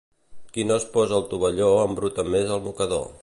Qui no es posa el tovalló embruta més el mocador.